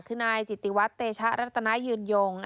คือนายจิตติวัตรเตชะรัตนายืนยง